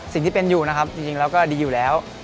สิ่งที่เป็นอยู่นะครับจริงแล้วก็ดีอยู่แล้ว